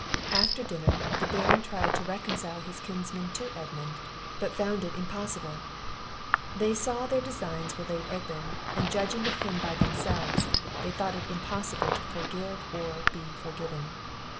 After dinner, the Baron tried to reconcile his kinsmen to Edmund; but found it impossible. They saw their designs were laid open; and, judging of him by themselves, thought it impossible to forgive or be forgiven.